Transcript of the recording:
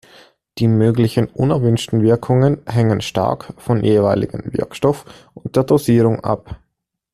Die möglichen unerwünschten Wirkungen hängen stark vom jeweiligen Wirkstoff und der Dosierung ab.